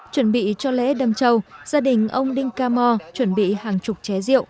chuẩn bị cho lễ đâm châu gia đình ông đinh ca mò chuẩn bị hàng chục ché rượu